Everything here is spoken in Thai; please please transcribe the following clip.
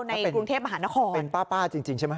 ในกรุงเทพมหานครเป็นป้าป้าจริงใช่ไหม